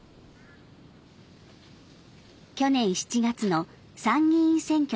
去年７月の参議院選挙の投票日。